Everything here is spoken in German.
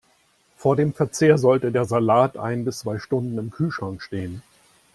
Vor dem Verzehr sollte der Salat ein bis zwei Stunden im Kühlschrank stehen.